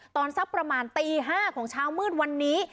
ตอนสักประมาณตี๕ของเช้ามืดวันนี้